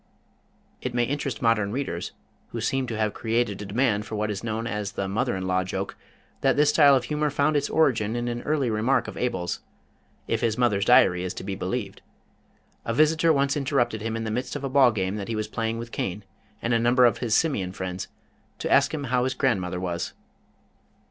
It may interest modern readers who seem to have created a demand for what is known as the Mother in Law joke that this style of humor found its origin in an early remark of Abel's, if his mother's Diary is to be believed. A visitor once interrupted him in the midst of a ball game that he was playing with Cain and a number of his Simian friends, to ask him how his grandmother was.